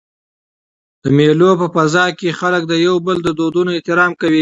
د مېلو په فضا کښي خلک د یو بل د دودونو احترام کوي.